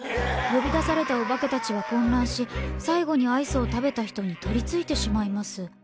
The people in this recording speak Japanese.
呼び出されたおばけたちは混乱し最後にアイスを食べた人に取りついてしまいます。